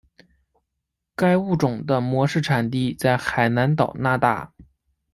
该物种的模式产地在海南岛那大。